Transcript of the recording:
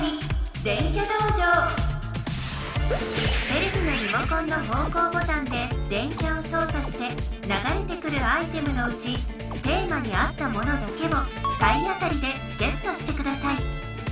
テレビのリモコンの方向ボタンで電キャをそうさしてながれてくるアイテムのうちテーマに合ったものだけを体当たりでゲットしてください。